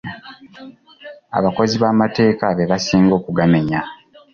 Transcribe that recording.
Abakozi b'amateeka be basinga okugamenya.